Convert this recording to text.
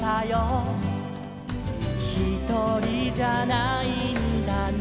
「ひとりじゃないんだね」